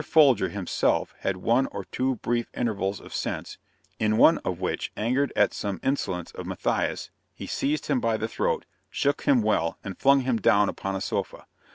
Folger himself had one or two brief intervals of sense, in one of which, angered at some insolence of Matthias, he seized him by the throat, shook him well, and flung him down upon a sofa.